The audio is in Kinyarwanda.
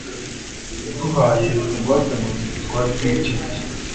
Yaduhaye ingwate mugihe twari tumukeneye.